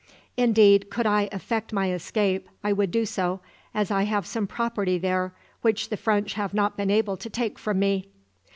Indeed, could I effect my escape, I would do so, as I have some property there which the French have not been able to take from me."